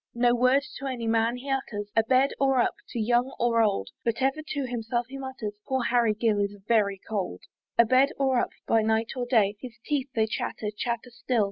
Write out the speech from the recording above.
No word to any man he utters, A bed or up, to young or old; But ever to himself he mutters, "Poor Harry Gill is very cold." A bed or up, by night or day; His teeth they chatter, chatter still.